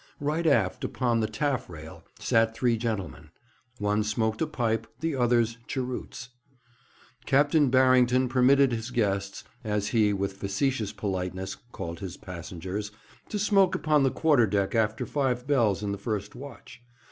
Right aft, upon the taffrail, sat three gentlemen. One smoked a pipe, the others cheroots. Captain Barrington permitted his guests as he, with facetious politeness, called his passengers to smoke upon the quarter deck after five bells in the first watch.